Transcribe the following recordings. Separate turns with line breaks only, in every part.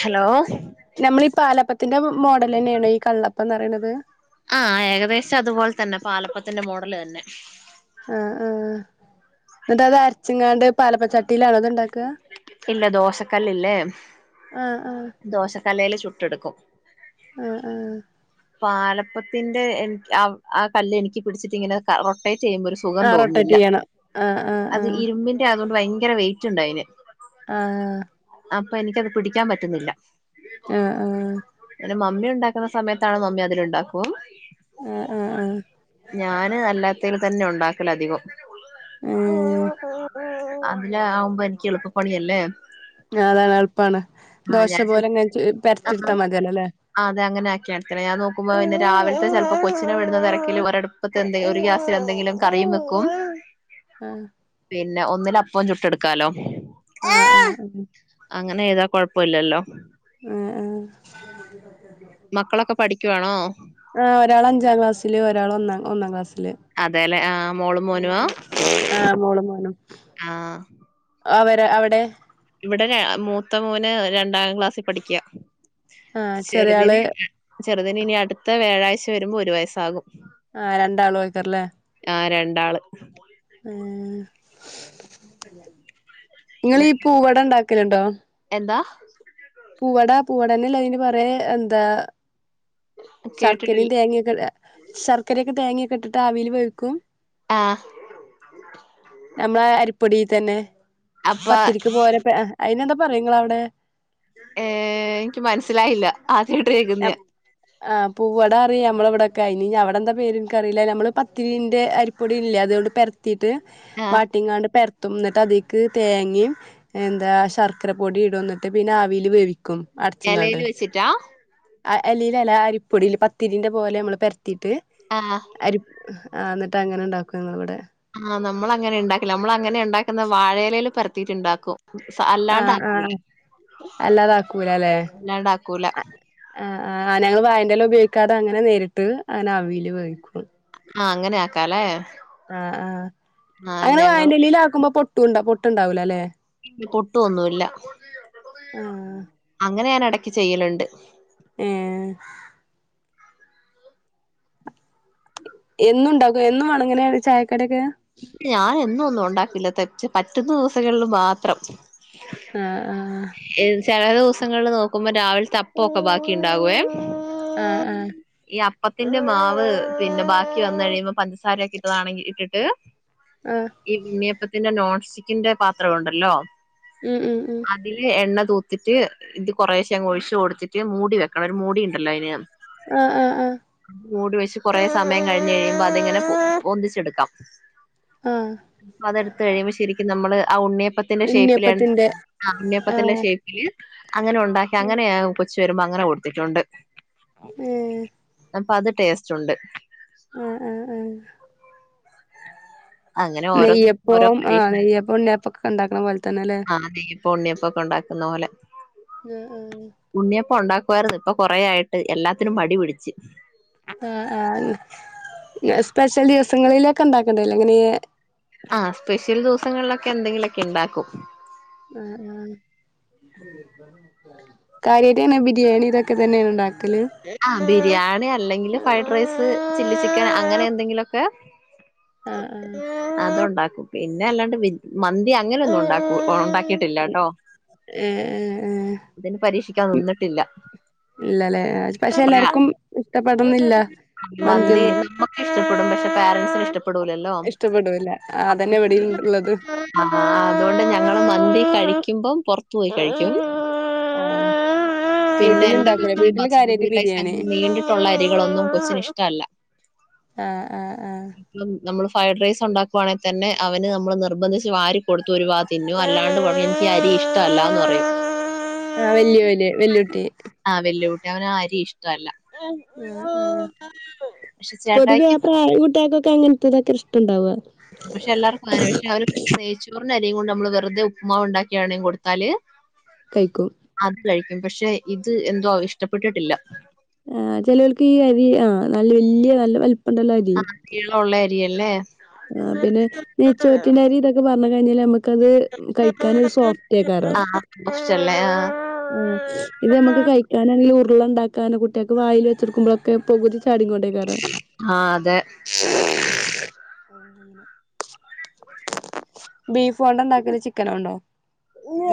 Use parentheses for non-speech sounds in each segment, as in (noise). Hello
നമ്മളീ പാലപ്പത്തിന്റെ മോഡലെന്നെണോ ഈ കള്ളപ്പം ന്ന്റിണത്
ആഹ് ഏകദേശം അതുപോലെ തന്നെ പാലപ്പത്തിന്റെ മോഡല് തന്നെ
ആഹ് ആഹ് ന്നട്ട്തര് ചിങ്ങാണ്ട് പാലപ്പച്ചട്ടിയിലാണോ ഇത് ണ്ടാക്ക
ഇല്ല ദോശക്കല്ലില്ലേ
ആഹ് ആഹ്
ദോശക്കല്ലേല് ചുട്ടെടുക്കും
ആഹ് ആഹ്
പാലപ്പത്തിന്റെ എനി ആ ആ കല്ല് എനിക്ക് പിടിച്ചിട്ടി ഇങ്ങനെ റോട്ടേറ്റ് ചെയ്യുമ്പോ ഒരു സുഖം
ആഹ് റൊട്ടേറ്റ്
തോന്ന്ന്നില്ല
ചെയ്യണം ആഹ്
അത്
ആഹ്
ഇരുമ്പിന്റെ അതോണ്ട് ഭയങ്കര വെയിറ്റ് ഉണ്ട് അയിന്
ആഹ്
അപ്പൊ എനിക്കത് പിടിക്കാൻ പറ്റുന്നില്ല
ആഹ് ആഹ്
പിന്നെ മമ്മി ഉണ്ടാക്കുന്ന സമയത്തണോ മമ്മി അതിൽലുംണ്ടാക്കും
ആഹ് ആഹ് ആഹ്
ഞാന് അല്ലാത്തൽ തന്നെ ഉണ്ടാക്കല അധികം
ഉം
അതില ആകുമ്പോ എനിക്ക് എളുപ്പപ്പണിയല്ലേ
അതാണ് എളുപ്പമാണ്.
ആഹ്
ദോശ
ഞാൻ
പോലെ എങ്ങനെ പരത്തിടുത്താ മതിയല്ലോ അല്ലെ
ആഹ് അതെ അങ്ങനൊക്കെയാണ് (unintelligible) ഞാൻ നോക്കുമ്പോ പിന്നെ രാവിലത്തെ ചെലപ്പോ കൊച്ചിനെ വിടുന്ന തിരക്കില് വിറകടു പ്പത്ത് ഒരു ഗ്യാസിൽ എന്തെങ്കിലും കറിയും വെക്കും
ആഹ്
പിന്നെ ഒന്നിലപ്പവും ചുട്ടെടുക്കാല്ലോ
ആഹ് ആഹ് ഉംഹ് ഉംഹ്
അങ്ങനെ ചെയ്താ കൊഴപ്പല്ലല്ലോ
ആഹ് ആഹ്
മക്കളൊക്കെ പഠിക്കുവാണോ
ആഹ് ഒരാള് അഞ്ചാം ക്ലാസ്സില് ഒരാള് ഒന്നാം ഒന്നാം ക്ലാസ്സില്
ആഹ് അതെല്ലേ ആഹ് മോളും
ഉം
മോനുവാ
ഉം ആഹ് മോളും മോനും
ആഹ്
അവര് അവിടെ
ഇവിടെ ര മൂത്ത മോന് രണ്ടാം ക്ലാസ്സി പഠിക്കുവാ
ആഹ് ചെറിയാള്
ചെറുതിന് ഇനി അടുത്ത വ്യാഴാഴ്ച വരുമ്പോ ഒരു വയസ്സാകും
ആഹ് രണ്ടാളും (unintelligible) റല്ലേ
ആഹ് രണ്ടാള്
ആഹ് നിങ്ങളീ പൂവട ഉണ്ടാക്കലുണ്ടോ
എന്താ
പൂവട പൂവടന്നല്ലേ അതിന് പറയാ എന്താ ശർക്കരയും
കേട്ടിട്ടില്ല
തേങ്ങയൊക്കെ, ശർക്കരയൊക്കെ തേങ്ങൊക്കെ ഇട്ടിട്ട് ആവില് വേവിക്കും
ആഹ്
നമ്മളെ അരിപ്പൊടിയി തന്നെ
അപ്പൊ
പത്തിരിക്ക് പോലെത്തെ അയിനെന്താ പറയിങ്ങളവിടെ?
ഏഹ് എനിക്ക് മനസ്സിലായില്ല ആദ്യായിട്ട് കേക്കുന്നയാ
ആഹ് പൂവടാ അറിയാം നമ്മള ഇവിടൊക്കെ, ഇനി അവിടെന്താ പേര് എനിക്ക അറിയില്ല നമ്മള് പത്തിരീന്റെ അരി പ്പൊടി ഇല്ലേ അതുകൊണ്ട് പരത്തിയിട്ട്
ആഹ്
വാട്ടിങ്ങാണ്ട് പര ത്തുംന്നിട്ട് അതീക്ക് തേങ്ങയും എന്താ ശർക്കര പൊടിടും എന്നിട്ട് പിന്നെ ആവിയില് വേവി
ഇലേല് വെച്ചിട്ടാ
ആ എലീലല്ല അരിപ്പൊടിയില് പത്തിരീന്റെ പോലെ നമ്മള് പെരത്തിയിട്ട്
ആഹ്
അരി ആഹ് എന്നിട്ട് അങ്ങനെ ഉണ്ടാക്കും ഞങ്ങളവിടെ
ആഹ് നമ്മളങ്ങനെ ഉണ്ടാക്കില്ല. നമ്മള അങ്ങനെ ഉണ്ടാക്കുന്നെ വാഴലയില് പരത്തിയിട്ടുണ്ടാക്കും
ആഹ്
അല്ലാണ്ടാക്കൂല്ലാ
ആഹ് അല്ലാതാക്കൂലല്ലേ
അല്ലാണ്ടാക്കൂല്ലാ
ആഹ് ആഹ് ഞങ്ങള് വായന്റെല ഉപയോഗിക്കാതെ അങ്ങനെ നേരിട്ട് അങ്ങനെ ആവിയില് വേവിക്കും
ആഹ് അങ്ങനെയാക്കാല്ലേ
ആഹ് ആഹ് അങ്ങനെ വായന്റെലെല് ആക്കുമ്പോ പൊട്ടുംണ്ട പൊട്ടുണ്ടാവൂല്ലാല്ലേ അല്ലെ
ല്ലാ പൊട്ടു ഒന്നുല്ല
ആഹ്
അങ്ങനെ ഞാൻ ഇടക്ക് ചെയ്യലുണ്ട്
ഏഹ് എന്നും ഉണ്ടാക്കുവോ എന്നും വേണം ഇങ്ങനെ ചായക്കടിയൊക്കെ
ഞാൻ എന്നൊന്നും ഒണ്ടാക്കില്ല തെച്ച പറ്റുന്ന ദിവസങ്ങളില് മാത്രം
ആഹ് ആഹ്
ചെല ദിവസങ്ങളില് നോക്കുമ്പോ രാവിലെത്തപ്പൊക്കെ ബാക്കി ഉണ്ടാകുവേ
ആഹ് ആഹ്
ഈ അപ്പത്തിന്റെ മാവ് പിന്നെ ബാക്കി വന്നു കഴിയുമ്പോ പഞ്ചസാരെയോക്കെ ഇട്ടതാണെങ്കി ഇട്ടിട്ട്
ആഹ്
ഈ ഉണ്ണിയപ്പത്തിന്റെ നോൺ സ്റ്റിക്കിന്റെ പാത്രം ഒണ്ടല്ലോ
മ് മ് മ്മ്
അതില് എണ്ണ തൂത്തിട്ട് ഇത് കൊറേശേ അങ്ങു ഒഴിച്ച് കൊടുത്തിട്ട് മൂടി വെക്കണം ഒരു മൂടി ഇണ്ടല്ലോ അയിന്
ആഹ് ആഹ് ആഹ്
മൂടി വെച്ച് കുറെ സമയം കഴിഞ്ഞ് കഴിയുമ്പോ അതിങ്ങനെ പൊന്തിച്ചെടുക്കാം
ആഹ്
അപ്പൊ അതെടുത്കഴിയുമ്പോ ശരിക്കും നമ്മള് ആ ഉണ്ണിയപ്പത്തിന്റെ ഷേപ്പില
ഉണ്ണിയപ്പത്തിന്റെ
ആഹ് ഉണ്ണിയപ്പത്തിന്റെ
ആഹ്
ഷേപ്പില് അങ്ങനെ ഉണ്ടാക്കി അങ്ങനെ ഉപ്പചിവരുമ്പോ അങ്ങനെ കൊടുത്തിട്ടുണ്ട്
ഏഹ്
അപ്പൊ അത് ടേസ്റ്റ് ഉണ്ട്
ഉം ഉം ഉം
അങ്ങനെ ഓരോനും ഓരോ
നെയ്യപ്പം ആഹ്
പരീക്ഷണ
നെയ്യപ്പം ഉണ്ണിയപ്പൊക്കെ ഉണ്ടാക്കണ പോലെ തന്നെല്ലേ
ആനെ ഉണ്ണിയപ്പൊക്കെ ഉണ്ടാക്കുന്ന പോലെ
മ് മ്
ഉണ്ണിയപ്പം ഉണ്ടാക്കുവായിരുന്നു ഇപ്പൊ കൊറ ആായിട്ട് എല്ലാത്തിനും മടി പിടിച്ച്
ആഹ് ആഹ് ഞാൻ സ്പെഷ്യൽ ദിവസങ്ങളിലൊക്കെ ഉണ്ടാക്കലിണ്ട് ഇങ്ങനെ
ആഹ് സ്പെഷ്യൽ ദിവസങ്ങളിലൊക്കെ എന്തെങ്കിലുമൊക്കെ ഉണ്ടാക്കും
ആഹ ആഹാ കാര്യട്ടന്നെ ബിരിയാണി ഇതൊക്കെ തന്നെയ ഉണ്ടാക്കല്
ആഹ് ബിരിയാണി അല്ലെങ്കിൽ ഫ്രൈഡ് റൈസ് ചില്ലി ചിക്കൻ അങ്ങനെ എന്തെങ്കിലുംഒക്കെ (unintelligible)
ആഹ് ആഹ്
(unintelligible) അത്ണ്ടാക്കും പിന്നെ അല്ലാണ്ട് മന്തി അങ്ങനെ ഒന്നും ഉണ്ട ഉണ്ടാക്കിട്ടില്ല കേട്ടോ
ഏഹ് ഏഹ് ഏഹ്
അതിന് പരീക്ഷിക്കാൻ നിന്നിട്ടില്ല
ഇല്ലല്ലേ പക്ഷെ
(inaudible)
എല്ലാർക്കും ഇഷ്ടപ്പെടന്നില്ല
മന്തി (inaudible)
മന്തിയൊന്നും
ഇഷ്ടപ്പെടും പക്ഷെ പോരൻറ്സിന് ഇഷ്ടപ്പെടൂലല്ലോ
ഇഷ്ടപ്പെടൂല്ല അതന്നെ ഇവിടെയും ഉള്ളത്
ആഹ് അതുകൊണ്ട് ഞങ്ങള്ൾ മന്തി കഴിക്കുമ്പം പുറത്തു പോയി കഴിക്കും
ആഹ്
പിന്നെ എന്റെറെ
വീട്ടിലുണ്ടാക്കൂലേ
കൊച്ചിന്
വീട്ടില്
വസുമതി
കാര്യായിട്ട്
റൈസ്
ബിരിയാണി
അങ്ങനെ നീണ്ടിട്ടുള്ള അരികളൊന്നും കൊച്ചിന് ഇഷ്ടമല്ല
ആഹ് ആഹ് ആഹ്
ഇ നമ്മള് ഫ്രൈഡ് റൈസ് ഉണ്ടാക്കുവാണെങ്കിൽ തന്നെ അവന് നമ്മൾ നിർബന്ധിച്ച് വാരി കൊടു ഒരുരുവാ തിന്നു അല്ലാണ്ട് പറയും എനിക്ക് ഈ അരി ഇഷ്ടമല്ലാന്ന് പറയും
ആഹ് വല്യ പോല് വെല്ലയുട്ടി
ആഹ് വലിയ കൂട്ടി അവന ആ അരി ഇഷ്ടല്ല
ആഹ് ആഹ്
പക്ഷെ ചേട്ടയിക്ക്
കൈ വിടാതെ ക്ക അങ്ങനത്തതൊക്കെ അത്ര ഇഷ്ടണ്ടാവുക
പക്ഷെ എല്ലാർക്കും (inaudible) പക്ഷെ അവര് നെയ്‌ച്ചോറിന്റെ അരിയും കൊണ്ട് നമ്മള് വെറുതെ ഉപ്മ ഉണ്ടാക്കി (inaudible) കൊടുതാല്
കഴിക്കും
അത് കഴിക്കും പക്ഷെ ഇത് എന്തോ ഇഷ്ടപ്പെട്ടിട്ടില്ല
ആഹ് ചെിലവൾക്ക് ഈ അരി ആഹ നല്ല വല്യ നല്ല വലപ്പം ഉണ്ടല്ല അരി
നീളം ഉള്ള അരി അല്ലേ
ആഹ് പിന്നെ നെയ്ച്ചോറ്റിന്റെരി ഇതൊക്കെ പറഞ്ഞ കഴിഞ്ഞാല് നമ്മക്ക് ത് കഴിക്കനോരു സോഫ്റ്റ് അയ്കാരം
ചെ
ആഹ് ഇത് നമുക്ക് കൈ ങ്ങനെങ്കില ഉരുള ഉണ്ടാക്കാനൻ കുട്ടികൾക്ക് വായിൽ വെടുക്കുമ്പഴൊക്കെ പുകുതിചാടി കൊണ്ട
ആഹ് അതെ
ഓഹ് ബീഫ്കൊണ്ട ഉണ്ടാക്കല് ചിക്കനോണ്ടോ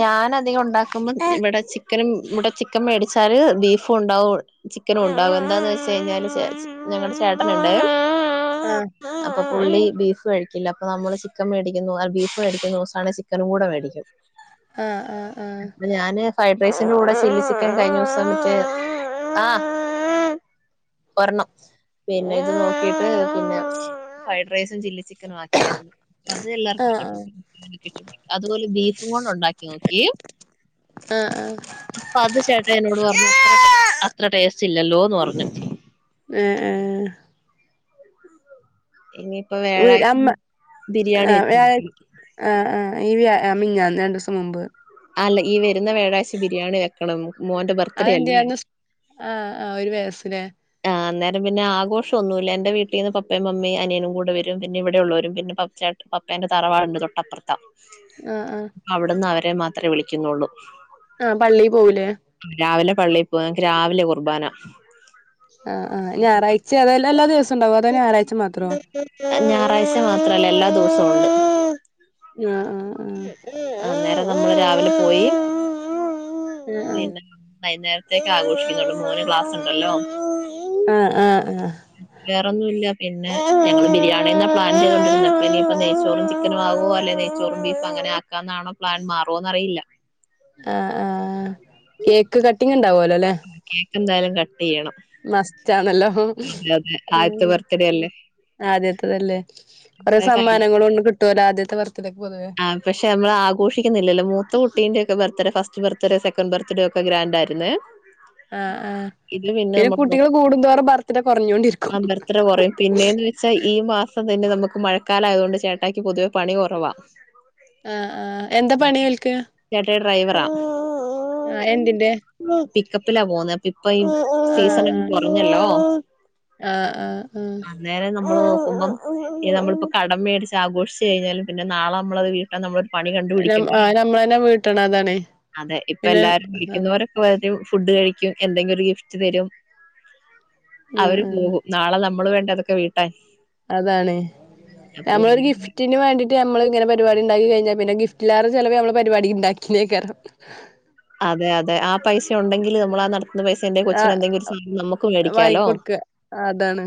ഞാൻ അധികം ഉണ്ടാക്കുമ്പോം ഇവിടെ ചിക്കനും ഇവിടെ ചിക്കൻ മേടിച്ചാല് ബീഫും ഉണ്ടാവും ചിക്കനും ഉണ്ടാകും എന്താന്ന് വെച്ച കഴിഞ്ഞാല് ഞങ്ങളടെ ചേട്ടനുണ്ടെ
ആഹ്
അപ്പൊ പുള്ളി ബീഫ് കഴിക്കില്ല അപ്പൊ നമ്മള് ചിക്കൻ മേടിക്കുന്നു ബീഫ് മേടിക്കുന്നു ദിവസമാണ് ചിക്കനും കൂടെ മേടിക്കും
ആഹ് ആഹ്
ഞാന് ഫ്രൈഡ് റൈസിന്റെറെ കൂടെ ചില്ലി ചിക്കൻ കഴിഞ്ഞുസം മിച്ച് ആഹ് ഒരണം പിന്നെ ഇത് നോക്കിട്ട് പിന്നെ ഫ്രൈഡ് റൈസും ചില്ലി ചിക്കനും ആക്കിയായിരുന്നു അ അത് എല്ലാവർക്കും
ആഹ്
ഇഷ്ടപ്പെട്ടു അതുപോലെ ബീഫും കൊണ്ട് ഒണ്ടാക്കി നോക്കി
ആ ആഹ്
അപ്പൊ അത് ചേട്ടായി എന്നോട് പറഞ്ഞ് അത്ര ടേസ്റ്റ് ഇല്ലല്ലോന്ന് പറഞ്ഞു
ഏഹ് ഏഹ്
ഇനിയിപ്പ
വീ അമ്മ
വ്യാഴാഴ്ച ബിരിയാണി
ആഹ്
വെച്ച്
വ്യാഴാ ആഹ് ആഹ് ഈ വ്യ അമ്മിഞാ ആ രണ്ടുസം മുമ്പ്
അല്ല ഈ വരുന്ന വ്യാഴാഴ്ച ബിരിയാണി വെക്കണം മോന്റെ ബെർ
അതെന്തേ അന്ന് ആഹ് ആഹ് ഒരു വയസ്സിലേ
ആഹ് അന്നേരം പിന്ന ആഘോഷം ഒന്നുമില്ല എന്റെ വീട്ടീന്ന് പപ്പേം മമ്മീം അനിയനും കൂടെ വരും പിന്ന ഇവിടെ ഉള്ളവരും പിന്ന പപ്പച്ചാ പേപ്പേന്റെ തറവാടോണ്ട്‌ തൊട്ടപ്പറത്താ
ആഹ് ആഹ്
അവിടുന്ന് അവരെ മാത്രേ വിളിക്കുന്നൊള്ളൂ
ആഹ് പള്ളി പോവൂലേ
രാവിലെ പള്ളി പോകും ങ്ങക്ക് രാവിലെ കുർബാന
ആഹ് ആഹ് ഞായറാഴ്ച അതായല്ല എല്ലാ ദിവസോം ഉണ്ടാകുവോ അതോ ഞായറാഴ്ച മാത്രോ
ഞായറാഴ്ച മാത്രല്ല എല്ലാ ദെവസോം ഒണ്ട്
ആഹ് ആഹ്
അന്നേരം നമ്മള് രാവിലെ പോയി
ആഹ്
പിന്ന വൈന്നേരം തക്കെ ആഘോഷിക്കുന്നുള്ളു മോന് ക്ലാസ് ഒണ്ടല്ലോ
ആഹ് ആഹ് ആഹ്
വേറൊന്നും ഇല്ല. പിന്ന ഞങ്ങള് ബിരിയാണിന്ന് പ്ലാൻ ചെയ്തൊണ്ടിരുന്നെ ഇനിപ്പ നെയ്ച്ചോറും ചിക്കൻ ആകോ അല്ലെ ചോറും ബീഫ് അങ്ങനെ ആക്കാന്നാണ്‌ പ്ലാൻ മാറോന്ന് അറിയില്ല
ആഹ് ആഹ് കേക്ക് കട്ടിങ് ഒണ്ടാവൂല്ലോ അല്ലെ
കേക്ക് എന്തായാലും കട്ട് ചെയ്യണം
മസ്റ്റ് ആണല്ലോ
അതെ ആദ്യത്തെ ബർത്ത്ഡേ അല്ലേ
ആദ്യത്തതല്ലേ, കൊറേ
അത് കഴിഞ്ഞു
സമ്മാനങ്ങള് ഒന്നും കിട്ടുവല്ലോ ആദ്യത്തെ ബർത്തഡേയ്ക്ക് പൊതുവേ
ആ പക്ഷെ നമ്മൾ ആഘോഷിക്കുന്നില്ലല്ലോ, മൂത്ത കുട്ടീന്റെ ഒക്കെ birthday first birthday, second birthday ഒക്കെ ഗ്രാന്റ് ആരുന്നെ
ആഹ് ആഹ് പിന്നെ കുട്ടികള് കൂടുന്തോറും ബർത്ത്ഡേ കൊറഞ്ഞോണ്ടിരിക്കും
എത്ര കുറയും. പിന്നേന്ന് വെച്ചാൽ ഈ മാസം തന്നെ നമുക്ക് മഴക്കാലയതുകൊണ്ട് ചേട്ടായിക്ക് പൊതുവേ പണി കൊറവാ
ആഹ് ആഹ് എന്താ പണി ഓൽക്ക്
ചേട്ടായി ഡ്രൈവറാ
ആഹ് എന്തിന്റെ
പിക്കപ്പിലാ പോകുന്നെ അപ്പ ഇപ്പ ഈ
ആഹ്
സീസൺ അങ്ങ്
ആഹ്
കൊറഞ്ഞല്ലോ
ആഹ് ആഹ് ആഹ്
അന്നേരം നമ്മൾ നോക്കുമ്പം ഈ നമ്മളിപ്പ കടം മേടിച്ച് ആഘോഷിച്ച് കഴിഞ്ഞാലും പിന്നെ നാളെ നമ്മളത് വീ ട്ടാൻ നമ്മളൊരു പണി
നം ആ
കണ്ടുപിടിക്കണ്ടേ
നമ്മളന്നെ വീട്ടണം അതാണേ
അതെ ഇപ്പ
പിന്നെ
എല്ലാരും
ആഹ്
വിളിക്കുന്നവർ വരും ഫുഡ് കഴിക്കും എന്തെങ്കിലും ഒരു ഗിഫ്റ്റ് തരും
ഉം
അവര്
ഉം
പോകും നാളെ നമ്മള് വേണ്ടേ അതൊക്കെ വീട്ടാൻ
അതാണ് നമ്മളൊരു
അപ്പൊ
ഗിഫ്റ്റിന് വേണ്ടി ട്ട് നമ്മൾ ഇങ്ങനെ പരിപാടി ഇണ്ടാക്കി കഴിഞ്ഞാൽ പിന്നെ ഗിഫ്റ്റിലാറെ ചിലവ് നമ്മള് പരിപാടി ഇണ്ടാക്കിന് അയ്ക്കാരം
അതെ അതെ ആ പൈസ ഉണ്ടെങ്കില് നമ്മൾ ആ നടത്തുന്ന പൈസ എന്റെ കൊച്ചിന് എന്തെങ്കിലും ഒരു സാധനം നമുക്ക് മേടിക്കാലോ
ക്കെ അതാണ്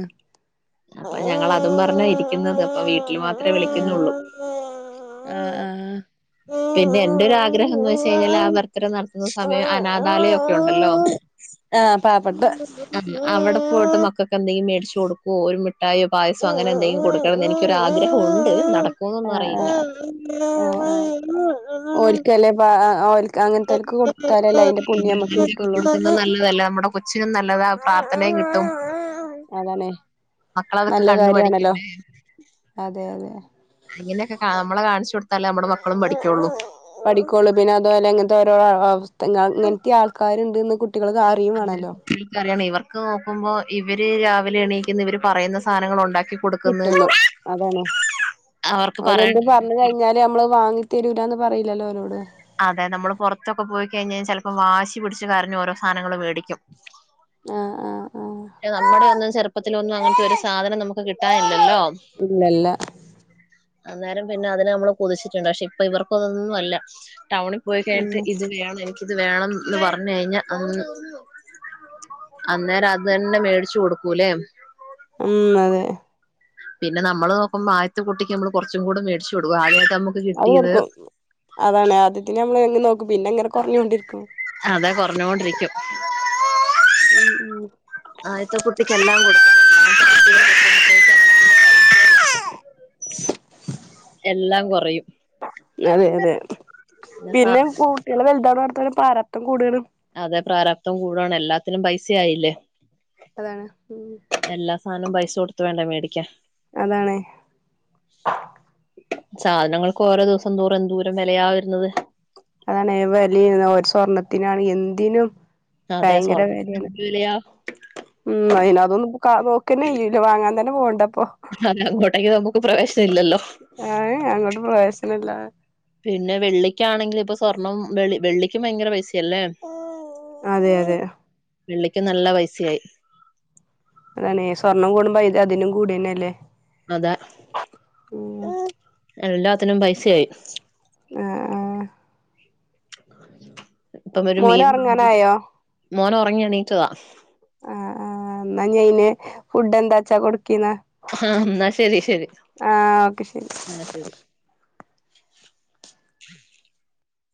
അപ്പൊ ഞങ്ങള് അതും പറഞ്ഞ ഇരിക്കുന്നത് അപ്പ വീട്ടിൽ മാത്രേ
ആഹ്
വിളിക്കുന്നൊള്ളൂ
ആഹ് ആഹ്
പിന്നെ എന്റൊരാഗ്രഹം എന്ന് വെച്ച് കഴിഞ്ഞാൽ ആ ബർത്ഡേ നടത്തുന്ന സമയം അനാഥാലയം ഒക്കെ ഉണ്ടല്ലോ ഉം
ആഹ് പാവപ്പെട്ട
ആഹ് അവിടെ പോയിട്ട് മക്കക്ക് എന്തെങ്കിലും മേടിച്ചു കൊടുക്കോ ഒരു മിഠായിയോ പായസോ അങ്ങനെ എന്തെങ്കിലും കൊടുക്ക ടുക്കണെന്ന് എനിക്കൊരാഗ്രഹം ഒണ്ട് നട ക്കോന്നൊന്ന്
ആഹ്
അറയില്ല
ആഹ് ഓൽക്കല്ലേ ആഹ് ആഹ് ഓൽക്ക് ‌അങ്ങനെത്തോൽക്ക്‌ കൊടുത്താലല്ലേ അതിന്റെ പുണ്യം നമക്ക് കിട്ടുള്ളൂ
ത് നല്ലതല്ലെ നമ്മുടെ കൊച്ചിനും നല്ലതാ പ്രാർത്ഥനയും കിട്ടും
അതണെ
മക്കള അതൊക്കെ
നല്ല
കണ്ടു
കാര്യാണല്ലോ
പഠിക്കണ്ടേ
അതെ അതെ
അങ്ങനെയൊക്കെ കാ നമ്മള് കാണിച്ചു കൊടുത്താലേ നമ്മടെ മക്കളും പഠിക്കൊള്ളൂ
പഠിക്കോള്ളൂ പിന്നെ അതുപോലെ ഇങ്ങൻത്തെ ഓരോ അവസ്ഥ ങ്ങ ഇങ്ങൻത്തിം ആൾക്കാരുണ്ട്ന്ന് കുട്ടികൾ കാ
(unintelligible) ഇവർക്ക് നോക്കുമ്പോ ഇവര് രാവിലെ എണീക്കുന്ന് ഇവര് പറയുന്ന സാനങ്ങൾ ഉണ്ടാക്കി കൊടുക്കുന്നു
കിട്ടുന്നു അതാണ്
അവർക്ക് പറയ
ഓലെന്ത്‌ പറഞ്ഞ് കഴിഞ്ഞാ ലലും നമ്മളത് വാങ്ങി തരൂലാന്ന് പറീലല്ലോ ഓലോട്
അതെ നമ്മള് പുറത്തൊക്കെ പോയിക്കഴിഞ്ഞാൽ ചിലപ്പോം വാശി പിടിച്ച് കരഞ്ഞ് ഓരോ സാനങ്ങള് മേടിക്കും
ആഹ് ആഹ് ആഹ്
ഏഹ് നമ്മുടെ ഒന്നും ചെറുപ്പത്തിലൊന്നും അങ്ങനത്തെ ഒരു സാധനം നമുക്ക് കിട്ടാനില്ലല്ലോ
ഇല്ലല്ല
അന്നേരം പിന്നെ അതിനെ നമ്മള് കൊതിച്ചിട്ടുണ്ട് പക്ഷെ ഇപ്പ ഇവർക്കതൊന്നും അല്ല ടൗണി പോയി കഴിഞ്ഞിട്ട്
ഉം
ഇതു വേണെ ക്കിത് വേണംന്ന് പർഞ്ഞ കഴിഞ്ഞ അന്ന് അന്നേരം അ ത് തന്നെ മേടിച്ച് കൊടുക്കൂല്ലേ
ഉം അതെ
പിന്നെ നമ്മള് നോക്കുമ്പം ആദ്യത്തെ കുട്ടിക്ക് നമ്മൾ കൊർച്ചും കൂടി മേടിച്ചു കൊടുക്കും ആദ്യായിട്ട് നമു
അത് കൊടുക്കും അതാണ് ആദ്യത്തിന് നമ്മള് (unintelligible) നോക്കും പിന്നെ ഇങ്ങനെ കൊറഞ്ഞോണ്ടിരിക്കും
അതെ കൊറഞ്ഞോണ്ടിരിക്കും
ഉം ഉം
കുട്ടിക്കെല്ലാം കൊടുക്കും രണ്ടാമത്തെ കുട്ടിയെ കിട്ടുമ്പത്തേക്കാണെങ്കില് എല്ലാം കുറയും
അതെയതെ പിന്നെ കു ട്ട്യേള് വലുതാവ്ണോട്ത്തോളം പ്രാരാബ്ധം കൂടാണ്.
അതെ പ്രാരാപ്ധം കൂടാണ് എല്ലാത്തിനും പൈസയായില്ലേ
അതാണ് ഉം
എല്ലാ സാധനവും പൈസ കൊടുത്ത് വേണ്ടേ മേടിക്കാൻ
അതാണെ
സാധനങ്ങൾക്കും ഓരോ ദെവസം തോറും എന്തൂരം വിലയാ വരുന്നത്.
അതാണെ വെലയാ ഒരു സ്വർണ്ണത്തിനാണ് എന്തിനും-
അതെ
ഭയങ്കര
സ്വർണ്ണത്തിന്
വെലയാണ്
എന്തൊര് വിലയാ
ഉം അയിനതൊന്നും ഇപ്പൊ കാ നോക്കണില്ലല്ലോ വാങ്ങാൻ തന്നെ പോവണ്ടയിപ്പൊ.
അതന്നെ. അങ്ങോട്ടേക്ക് നമുക്ക് പ്രവേശനമില്ലല്ലോ
ഏയേ അങ്ങോട്ട് പ്രവേശനല്ലാ.
പിന്നെ വെള്ളിക്കാണെങ്കിൽ ഇപ്പൊ സ്വർണം വെള്ളി വെള്ളിക്കും ഭയങ്കര പൈസയല്ലേ.
അതെ അതെ
വെള്ളിക്കും നല്ല പൈസയായി.
അതാണെ സ്വർണ്ണം കൂടുമ്പം അത് അതിനും കൂടന്നെയല്ലേ
അതാ എല്ലാത്തിനും പൈസയായി.
ആഹ് ആഹ്
ഇപ്പം വരും
മോന്
മീൻ
ഒറങ്ങാനായോ
മോൻ ഒറങ്ങി എണീറ്റതാ.
ആഹ് ആഹ് എന്നാ ഇനി അയിനെ ഫുഡ് എന്താച്ചാ കൊടുക്കീന്ന്
ആഹ് എന്നാ ശരി ശരി
ആഹ് ഓക്കെ ശരി
ആഹ് ശരി.